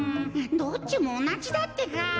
どっちもおなじだってか。